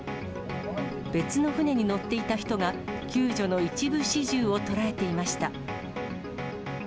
別の船に乗っていた人が救助の一部始終を捉えていました。